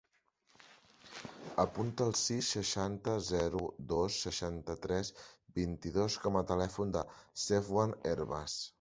Apunta el sis, seixanta, zero, dos, seixanta-tres, vint-i-dos com a telèfon del Safwan Hervas.